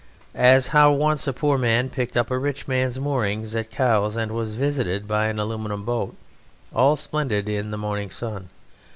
As how once a poor man picked up a rich man's moorings at Cowes and was visited by an aluminium boat, all splendid in the morning sun.